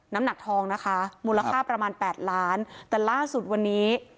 น้ำหนักทองนะคะมูลค่าประมาณแปดล้านแต่ล่าสุดวันนี้